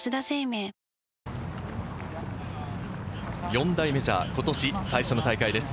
四大メジャー、今年最初の大会です。